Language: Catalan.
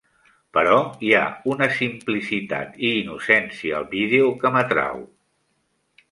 Però hi ha una simplicitat i innocència al vídeo que m'atrau.